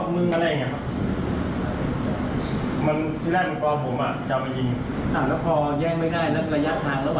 ไม่รู้แบบที่ไหนไปด้วยนะครับ